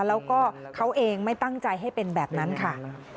แล้วก็เขาเองไม่ตั้งใจให้เป็นแบบนั้นค่ะ